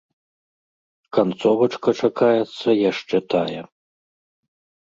Канцовачка чакаецца яшчэ тая.